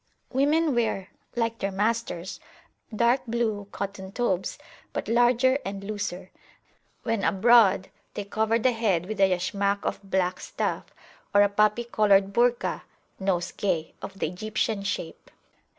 Women wear, like their masters, dark blue cotton Tobes, but larger and looser. When abroad they cover the head with a Yashmak of black stuff, or a poppy coloured Burka (nose gay) of the Egyptian shape.